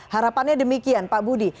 harapannya demikian pak budi